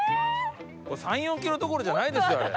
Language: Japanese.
３４キロどころじゃないですよあれ。